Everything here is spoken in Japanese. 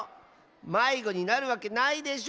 まいごになるわけないでしょ！